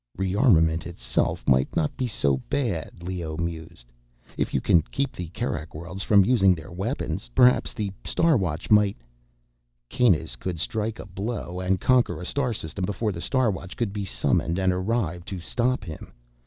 "Rearmament itself might not be so bad," Leoh mused, "if you can keep the Kerak Worlds from using their weapons. Perhaps the Star Watch might—" "Kanus could strike a blow and conquer a star system before the Star Watch could be summoned and arrive to stop him.